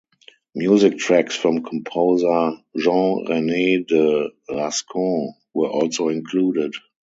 Music tracks from composer Jean Rene De Rascon were also included.